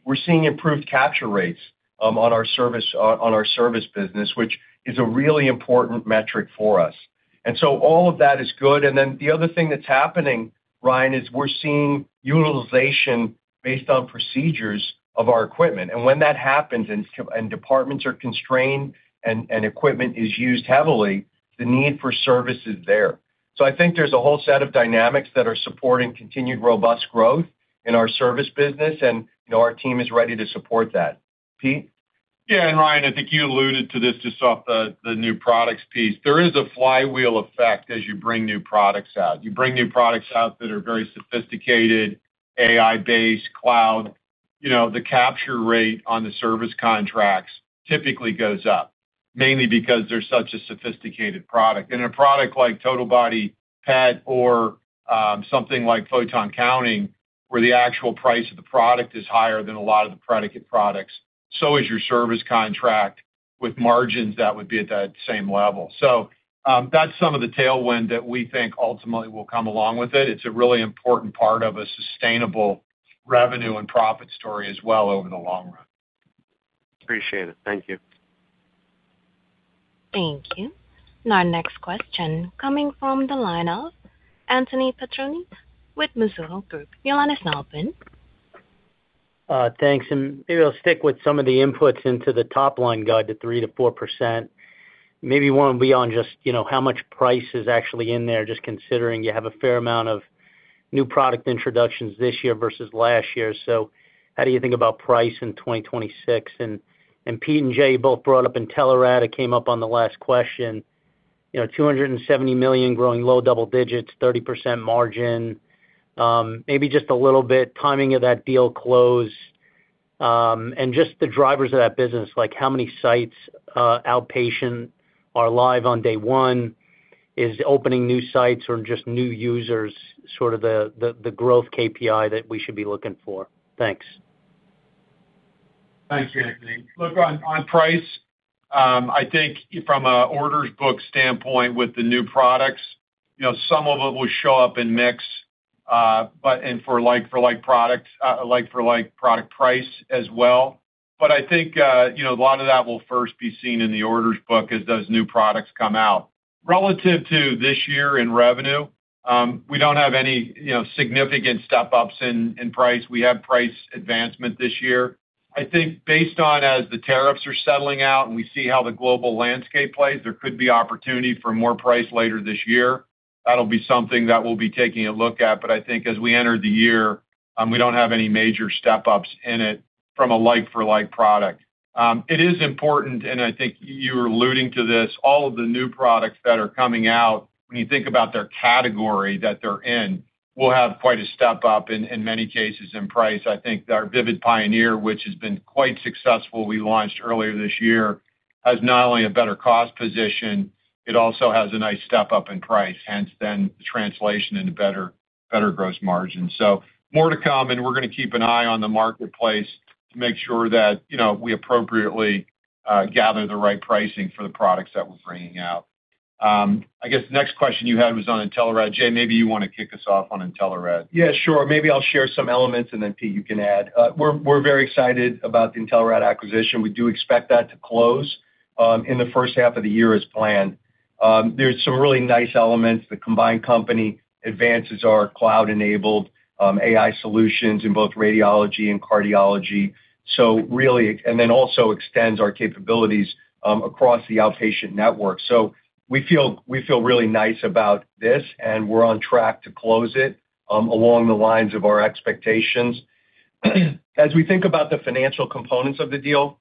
fix, we're seeing improved capture rates, on our service, on our service business, which is a really important metric for us. And so all of that is good. And then the other thing that's happening, Ryan, is we're seeing utilization based on procedures of our equipment. And when that happens, and departments are constrained and equipment is used heavily, the need for service is there. So I think there's a whole set of dynamics that are supporting continued robust growth in our service business, and, you know, our team is ready to support that. Pete? Yeah, and Ryan, I think you alluded to this just off the, the new products piece. There is a flywheel effect as you bring new products out. You bring new products out that are very sophisticated, AI-based, cloud, you know, the capture rate on the service contracts typically goes up, mainly because they're such a sophisticated product. And a product like total body PET or, something like photon counting, where the actual price of the product is higher than a lot of the predicate products, so is your service contract with margins that would be at that same level. So, that's some of the tailwind that we think ultimately will come along with it. It's a really important part of a sustainable revenue and profit story as well over the long run. Appreciate it. Thank you. Thank you. Our next question coming from the line of Anthony Petroni with Mizuho Group. Your line is now open. Thanks. Maybe I'll stick with some of the inputs into the top-line guide of 3%-4%. Maybe you want to be on just, you know, how much price is actually in there, just considering you have a fair amount of new product introductions this year versus last year. So how do you think about price in 2026? And Pete and Jay both brought up Intelerad. It came up on the last question. You know, $270 million growing low double digits, 30% margin. Maybe just a little bit timing of that deal close, and just the drivers of that business, like how many sites, outpatient are live on day one? Is opening new sites or just new users, sort of the growth KPI that we should be looking for? Thanks. Thanks, Anthony. Look, on price, I think from a orders book standpoint with the new products, you know, some of it will show up in mix, but for like-for-like products, a like-for-like product price as well. But I think, you know, a lot of that will first be seen in the orders book as those new products come out. Relative to this year in revenue, we don't have any, you know, significant step-ups in price. We have price advancement this year. I think based on as the tariffs are settling out and we see how the global landscape plays, there could be opportunity for more price later this year. That'll be something that we'll be taking a look at, but I think as we enter the year, we don't have any major step-ups in it from a like-for-like product. It is important, and I think you're alluding to this, all of the new products that are coming out, when you think about their category that they're in, will have quite a step-up in many cases in price. I think our Vivid Pioneer, which has been quite successful, we launched earlier this year, has not only a better cost position, it also has a nice step-up in price, hence then the translation into better gross margin. So more to come, and we're going to keep an eye on the marketplace to make sure that, you know, we appropriately gather the right pricing for the products that we're bringing out. I guess the next question you had was on Intelerad. Jay, maybe you want to kick us off on Intelerad. Yeah, sure. Maybe I'll share some elements, and then, Pete, you can add. We're very excited about the Intelerad acquisition. We do expect that to close in the first half of the year as planned. There's some really nice elements. The combined company advances our cloud-enabled AI solutions in both radiology and cardiology. So really and then also extends our capabilities across the outpatient network. So we feel really nice about this, and we're on track to close it along the lines of our expectations. As we think about the financial components of the deal,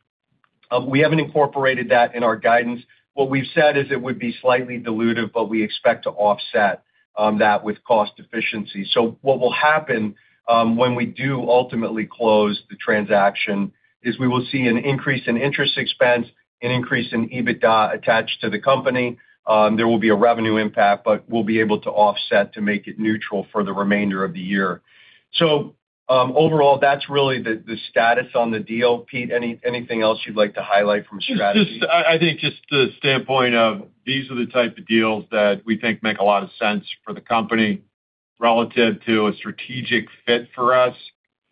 we haven't incorporated that in our guidance. What we've said is it would be slightly dilutive, but we expect to offset that with cost efficiency. So what will happen, when we do ultimately close the transaction is we will see an increase in interest expense, an increase in EBITDA attached to the company. There will be a revenue impact, but we'll be able to offset to make it neutral for the remainder of the year. So, overall, that's really the, the status on the deal. Pete, anything else you'd like to highlight from strategy? I think just the standpoint of these are the types of deals that we think make a lot of sense for the company relative to a strategic fit for us.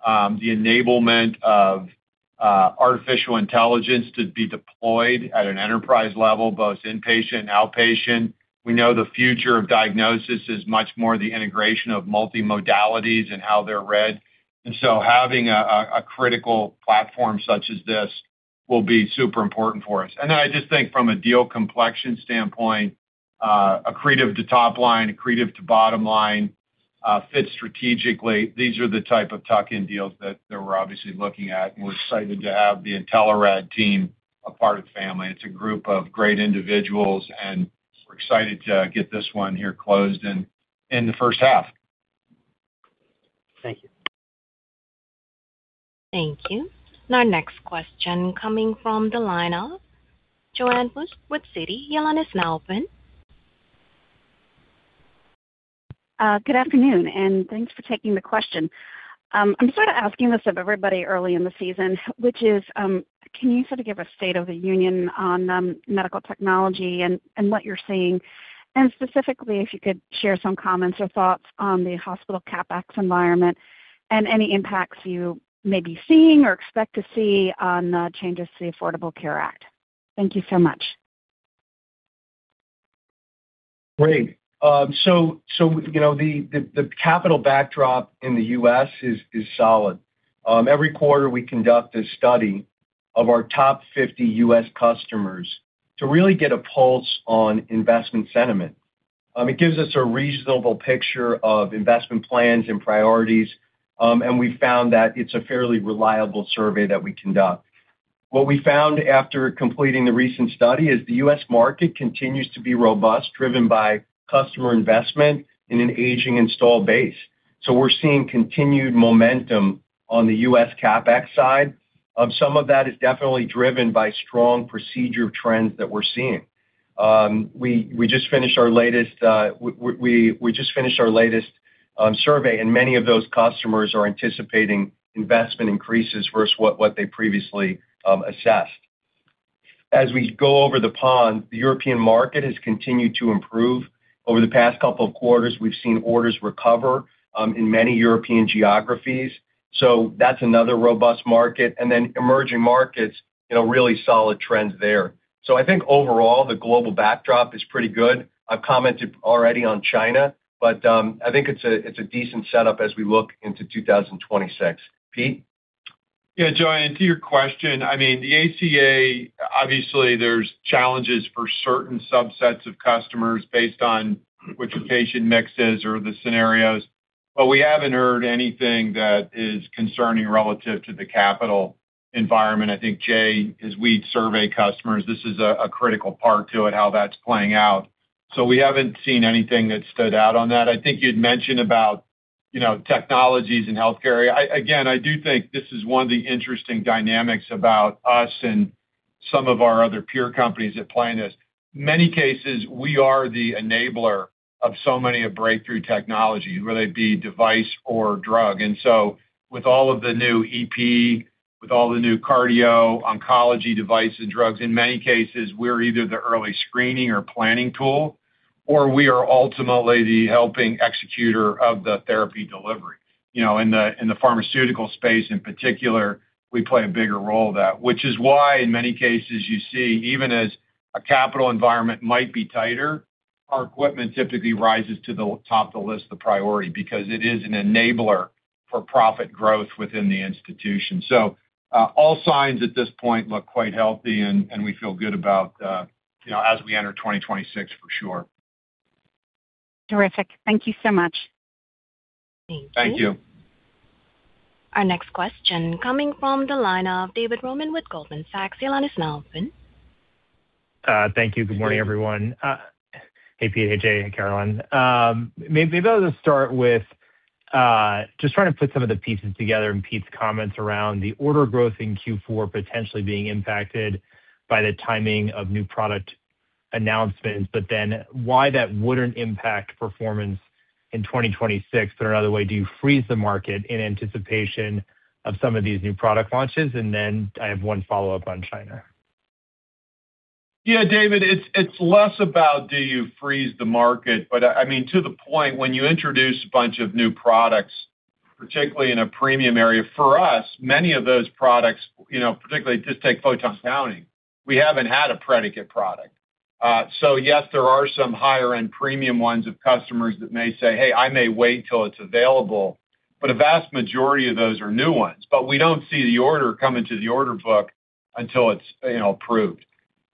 The enablement of artificial intelligence to be deployed at an enterprise level, both inpatient and outpatient. We know the future of diagnosis is much more the integration of multimodalities and how they're read. And so having a critical platform such as this will be super important for us. And then I just think from a deal complexion standpoint, accretive to top line, accretive to bottom line, fits strategically. These are the type of tuck-in deals that we're obviously looking at, and we're excited to have the Intelerad team a part of the family. It's a group of great individuals, and we're excited to get this one here closed in the first half. Thank you. Thank you. Our next question coming from the line of Joanne Wuensch with Citi. Your line is now open. Good afternoon, and thanks for taking the question. I'm sort of asking this of everybody early in the season, which is, can you sort of give a state of the union on, medical technology and, and what you're seeing? And specifically, if you could share some comments or thoughts on the hospital CapEx environment and any impacts you may be seeing or expect to see on, changes to the Affordable Care Act? Thank you so much. Great. So, you know, the capital backdrop in the U.S. is solid. Every quarter we conduct a study of our top 50 U.S. customers to really get a pulse on investment sentiment. It gives us a reasonable picture of investment plans and priorities, and we found that it's a fairly reliable survey that we conduct. What we found after completing the recent study is the U.S. market continues to be robust, driven by customer investment in an aging installed base. So we're seeing continued momentum on the U.S. CapEx side. Some of that is definitely driven by strong procedure trends that we're seeing. We just finished our latest survey, and many of those customers are anticipating investment increases versus what they previously assessed. As we go over the pond, the European market has continued to improve. Over the past couple of quarters, we've seen orders recover in many European geographies, so that's another robust market. And then emerging markets, you know, really solid trends there. So I think overall, the global backdrop is pretty good. I've commented already on China, but I think it's a decent setup as we look into 2026. Pete? Yeah, Joanne, to your question, I mean, the ACA, obviously there's challenges for certain subsets of customers based on what the patient mix is or the scenarios, but we haven't heard anything that is concerning relative to the capital environment. I think, Jay, as we survey customers, this is a critical part to it, how that's playing out. So we haven't seen anything that stood out on that. I think you'd mentioned about, you know, technologies and healthcare. Again, I do think this is one of the interesting dynamics about us and some of our other peer companies that play in this. Many cases, we are the enabler of so many of breakthrough technologies, whether they be device or drug. And so with all of the new EP, with all the new cardio, oncology devices, drugs, in many cases, we're either the early screening or planning tool, or we are ultimately the helping executor of the therapy delivery. You know, in the pharmaceutical space, in particular, we play a bigger role of that, which is why, in many cases, you see, even as a capital environment might be tighter, our equipment typically rises to the top of the list of priority, because it is an enabler for profit growth within the institution. So, all signs at this point look quite healthy, and we feel good about, you know, as we enter 2026, for sure. Terrific. Thank you so much. Thank you. Thank you. Our next question coming from the line of David Roman with Goldman Sachs. Your line is now open. Thank you. Good morning, everyone. Hey, Pete, hey, Jay, and Carolynne. Maybe I'll just start with just trying to put some of the pieces together in Pete's comments around the order growth in Q4 potentially being impacted by the timing of new product announcements, but then why that wouldn't impact performance in 2026. Or another way, do you freeze the market in anticipation of some of these new product launches? And then I have one follow-up on China. Yeah, David, it's less about do you freeze the market, but I mean, to the point, when you introduce a bunch of new products, particularly in a premium area, for us, many of those products, you know, particularly just take photon counting, we haven't had a predicate product. So yes, there are some higher end premium ones of customers that may say, "Hey, I may wait till it's available," but a vast majority of those are new ones. But we don't see the order come into the order book until it's, you know, approved.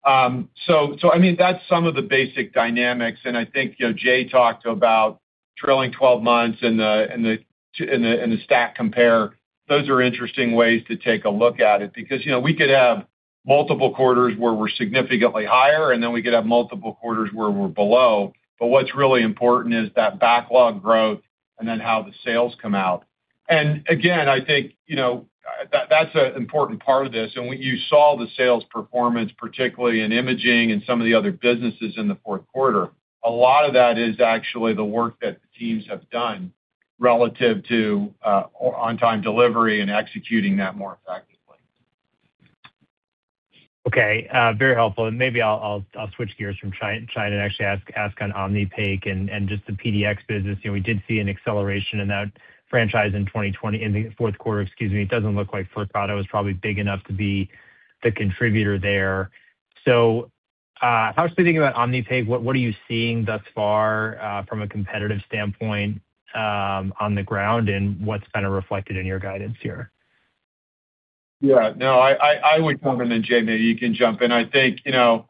So I mean, that's some of the basic dynamics, and I think, you know, Jay talked about trailing twelve months and the TTM and the stack compare. Those are interesting ways to take a look at it, because, you know, we could have multiple quarters where we're significantly higher, and then we could have multiple quarters where we're below. But what's really important is that backlog growth and then how the sales come out. And again, I think, you know, that's an important part of this. And when you saw the sales performance, particularly in imaging and some of the other businesses in the fourth quarter, a lot of that is actually the work that the teams have done relative to on-time delivery and executing that more effectively. Okay, very helpful, and maybe I'll switch gears from China and actually ask on Omnipaque and just the PDx business. You know, we did see an acceleration in that franchise in 2020 in the fourth quarter, excuse me. It doesn't look like Flyrcado was probably big enough to be the contributor there. So, how are you thinking about Omnipaque? What are you seeing thus far from a competitive standpoint on the ground, and what's kind of reflected in your guidance here? Yeah, no, I would cover, and then, Jay, maybe you can jump in. I think, you know,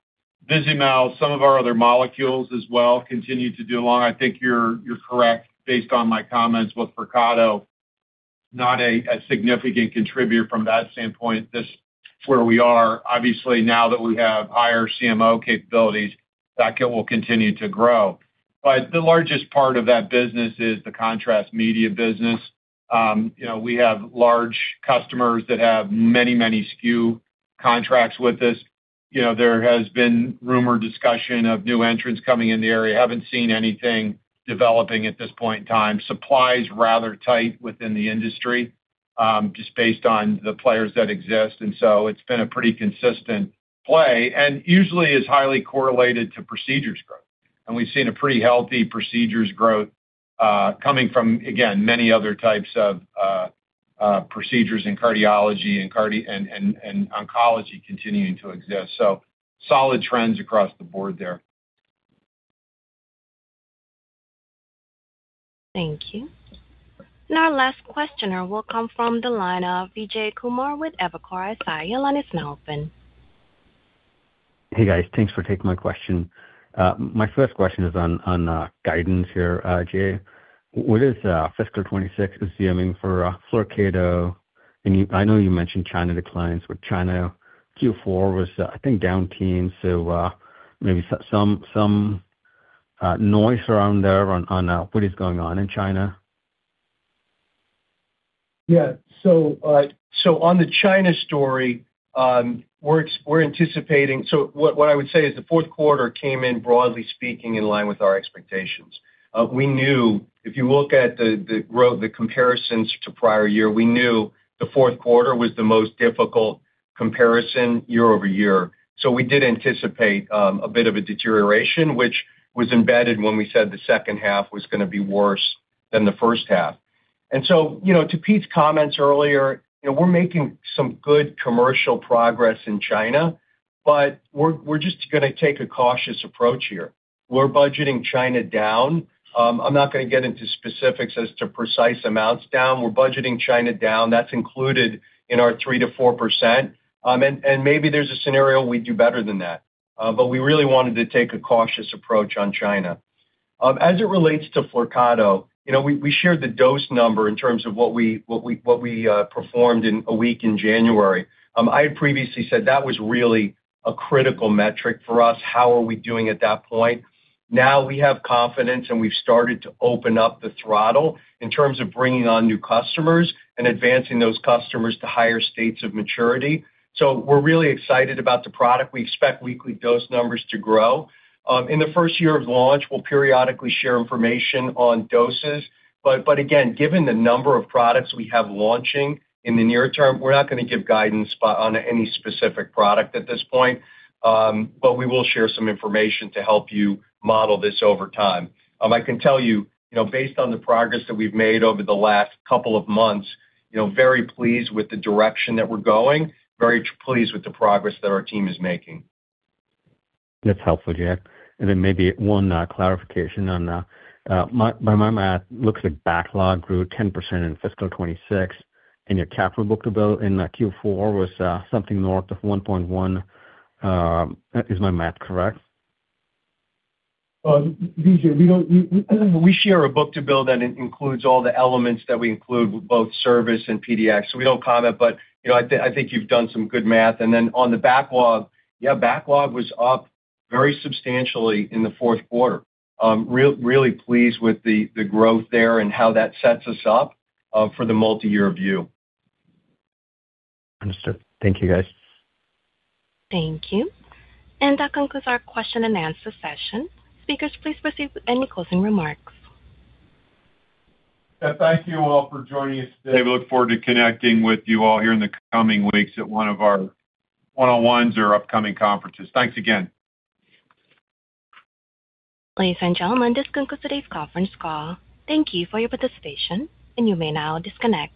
Vizamyl, some of our other molecules as well, continue to do well. I think you're correct, based on my comments with Flyrcado, not a significant contributor from that standpoint. That's where we are. Obviously, now that we have higher CMO capabilities, that will continue to grow. But the largest part of that business is the contrast media business. You know, we have large customers that have many, many SKU contracts with us. You know, there has been rumor discussion of new entrants coming in the area. Haven't seen anything developing at this point in time. Supply is rather tight within the industry, just based on the players that exist, and so it's been a pretty consistent play, and usually is highly correlated to procedures growth. And we've seen a pretty healthy procedures growth, coming from, again, many other types of procedures in cardiology and oncology continuing to exist. So solid trends across the board there. Thank you. Our last questioner will come from the line of Vijay Kumar with Evercore ISI. Your line is now open. Hey, guys. Thanks for taking my question. My first question is on, on, guidance here, Jay. What is fiscal 2026 assuming for Flyrcado? And you—I know you mentioned China declines, but China Q4 was, I think, down teen, so maybe some, some noise around there on, on what is going on in China? Yeah. So on the China story, we're anticipating. So what I would say is the fourth quarter came in, broadly speaking, in line with our expectations. We knew if you look at the growth, the comparisons to prior year, we knew the fourth quarter was the most difficult comparison year-over-year. So we did anticipate a bit of a deterioration, which was embedded when we said the second half was gonna be worse than the first half. And so, you know, to Pete's comments earlier, you know, we're making some good commercial progress in China, but we're just gonna take a cautious approach here. We're budgeting China down. I'm not gonna get into specifics as to precise amounts down. We're budgeting China down. That's included in our 3%-4%. And maybe there's a scenario we do better than that, but we really wanted to take a cautious approach on China. As it relates to Flyrcado, you know, we shared the dose number in terms of what we performed in a week in January. I had previously said that was really a critical metric for us. How are we doing at that point? Now we have confidence, and we've started to open up the throttle in terms of bringing on new customers and advancing those customers to higher states of maturity. So we're really excited about the product. We expect weekly dose numbers to grow. In the first year of launch, we'll periodically share information on doses, but again, given the number of products we have launching in the near term, we're not gonna give guidance on any specific product at this point, but we will share some information to help you model this over time. I can tell you, you know, based on the progress that we've made over the last couple of months, you know, very pleased with the direction that we're going, very pleased with the progress that our team is making. That's helpful, Jay. And then maybe one clarification on my math looks like backlog grew 10% in fiscal 2026, and your capital book-to-bill in Q4 was something north of 1.1. Is my math correct? Well, Vijay, we don't share a book-to-bill that includes all the elements that we include with both service and PDx, so we don't comment. But, you know, I think you've done some good math. And then on the backlog, yeah, backlog was up very substantially in the fourth quarter. Really pleased with the growth there and how that sets us up for the multiyear view. Understood. Thank you, guys. Thank you. And that concludes our question and answer session. Speakers, please proceed with any closing remarks. Yeah, thank you all for joining us today. We look forward to connecting with you all here in the coming weeks at one of our one-on-ones or upcoming conferences. Thanks again. Ladies and gentlemen, this concludes today's conference call. Thank you for your participation, and you may now disconnect.